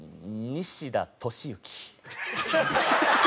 西田敏行。